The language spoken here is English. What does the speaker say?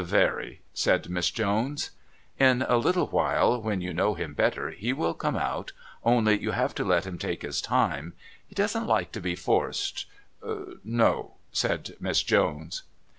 "Very," said Miss Jones. "In a little while, when you know him better, he will come out. Only you have to let him take his time. He doesn't like to be forced " "No," said Miss Jones.